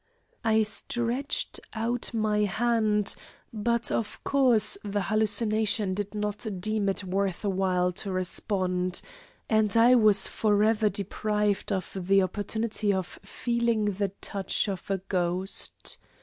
I stretched out my hand, but of course the hallucination did not deem it worth while to respond, and I was forever deprived of the opportunity of feeling the touch of a ghost.